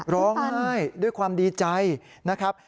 ร้องไห้ด้วยความดีใจนะครับ